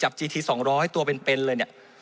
มันตรวจหาได้ระยะไกลตั้ง๗๐๐เมตรครับ